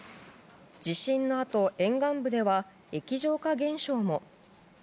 地震のあと沿岸部では液状化現象も。